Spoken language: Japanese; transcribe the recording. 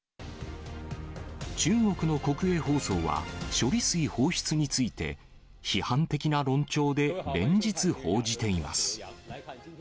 中国の国営放送は、処理水放出について、批判的な論調で連日、報じています。